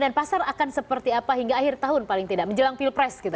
dan pasar akan seperti apa hingga akhir tahun paling tidak menjelang pilpres kita